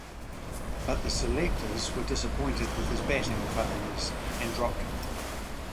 But the selectors were disappointed with his batting failures and dropped him.